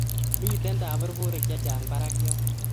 mito taburburik chechang barak yoe